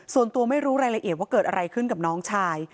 ส่วนตัวไม่รู้รายละเอียดว่าเกิดอะไรขึ้นกับน้องชาย